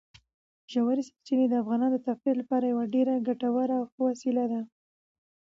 ژورې سرچینې د افغانانو د تفریح لپاره یوه ډېره ګټوره او ښه وسیله ده.